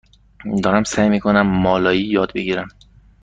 دارم سعی می کنم مالایی یاد بگیرم.